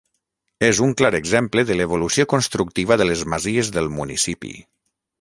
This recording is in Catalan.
És un clar exemple de l'evolució constructiva de les masies del municipi.